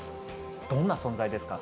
どんな存在ですか？